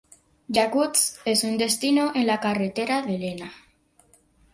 Yakutsk es un destino en la carretera de Lena.